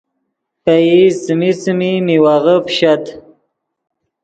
پئیز څیمی څیمی میوغے پیشت